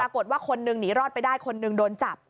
ปรากฏว่าคนนึงหนีรอดไปได้คนนึงโดนจับ